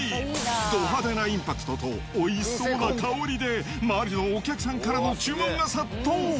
ど派手なインパクトとおいしそうな香りで、周りのお客さんからの注文が殺到。